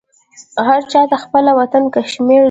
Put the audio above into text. هر چا ته خپل وطن کشمیر دی